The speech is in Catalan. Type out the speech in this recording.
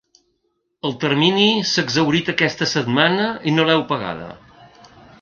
El termini s’ha exhaurit aquesta setmana i no l’heu pagada.